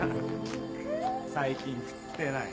最近食ってない。